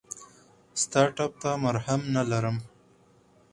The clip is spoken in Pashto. ستا ټپ ته مرهم نه لرم !